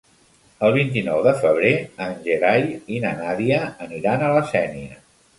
El vint-i-nou de febrer en Gerai i na Nàdia aniran a la Sénia.